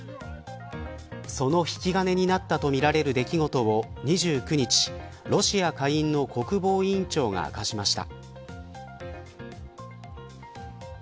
その引き金になったとみられる出来事を２９日、ロシア下院の国防委員長が明かしました。